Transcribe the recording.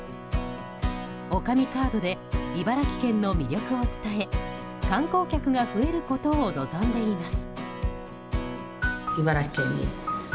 女将カードで茨城県の魅力を伝え観光客が増えることを望んでいます。